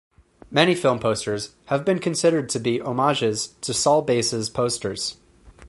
Many film posters have been considered to be homages to Saul Bass's posters.